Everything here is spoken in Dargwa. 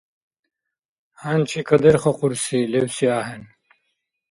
ХӀянчи кадерхахъурси левси ахӀен.